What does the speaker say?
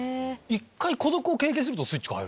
孤独を経験するとスイッチが入る？